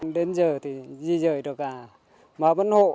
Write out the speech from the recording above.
đến giờ thì di rời được cả ba bốn hộ